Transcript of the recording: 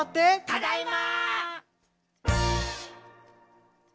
ただいま！